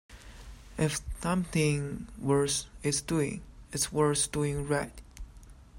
If something worth is doing, it's worth doing right.